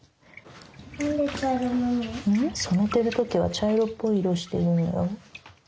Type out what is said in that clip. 染めてる時は茶色っぽい色してるんだよ。